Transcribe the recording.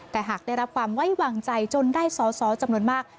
แต่หากได้รับความไว้วางใจจนได้สอสอจำนวนมาก